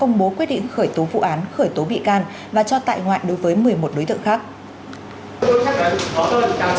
công bố quyết định khởi tố vụ án khởi tố bị can và cho tại ngoại đối với một mươi một đối tượng khác